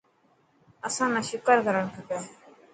اسان نا شڪر ڪرڻ کپي.